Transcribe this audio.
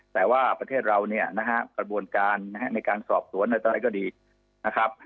แต่ว่าประเทศเราเนี่ยนะฮะกระบวนการในการสอบสวนอะไรก็ดีนะครับ